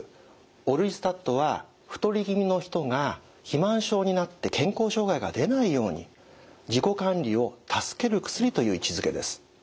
オルリスタットは太り気味の人が肥満症になって健康障害が出ないように自己管理を助ける薬という位置づけです。